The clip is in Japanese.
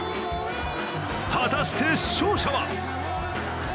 果たして勝者は？